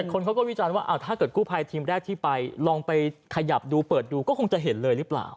คนเขาก็วิจารณ์ว่าถ้าเกิดกู้ภัยทีมแรกที่ไปลองไปขยับดูเปิดดูก็คงจะเห็นเลยหรือเปล่า